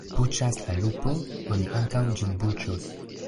Buĉas la lupo, oni ankaŭ ĝin buĉos.